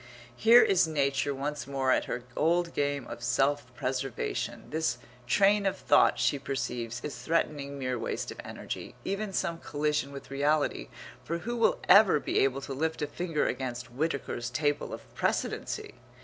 Here is nature once more at her old game of self preservation. This train of thought, she perceives, is threatening mere waste of energy, even some collision with reality, for who will ever be able to lift a finger against Whitaker's Table of Precedency?